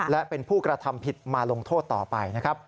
และเป็นผู้กระทำผิดมาลงโทษต่อไปนะครับ